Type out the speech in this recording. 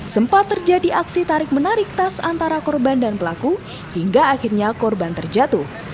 sempat terjadi aksi tarik menarik tas antara korban dan pelaku hingga akhirnya korban terjatuh